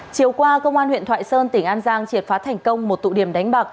chiều qua công an huyện thoại sơn tỉnh an giang triệt phá thành công một tụ điểm đánh bạc